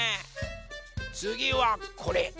つぎはこれ。